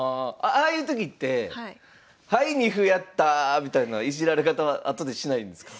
ああいうときって「はい二歩やった」みたいないじられ方は後でしないんですか？